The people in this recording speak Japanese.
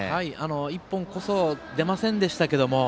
一本こそ出ませんでしたが